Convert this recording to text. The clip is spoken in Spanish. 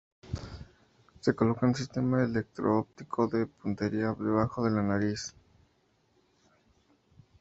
Se coloca un sistema electro-óptico de puntería debajo de la nariz.